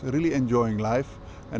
rất thân thiện với cuộc sống